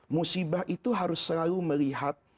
musibah itu harus selalu melihat